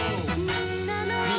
「みんなの」